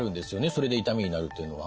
それで痛みになるというのは。